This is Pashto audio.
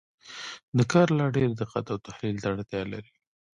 دا کار لا ډېر دقت او تحلیل ته اړتیا لري.